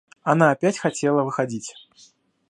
Она опять хотела выходить.